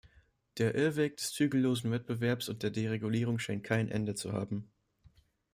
Der Irrweg des zügellosen Wettbewerbs und der Deregulierung scheint kein Ende zu haben.